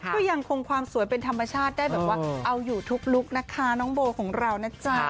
ก็ยังคงความสวยเป็นธรรมชาติได้แบบว่าเอาอยู่ทุกลุคนะคะน้องโบของเรานะจ๊ะ